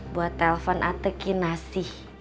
buat telpon ate kinasih